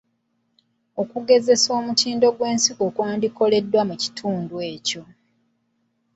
Okugezesa omutindo gw’ensigo kwandikoleddwa mu kitundu kyo.